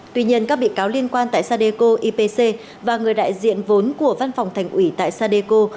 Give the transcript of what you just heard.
tuy nhiên các bị cáo liên quan tại sadeco ipc và người đại diện vốn của văn phòng thành ủy tại sadeco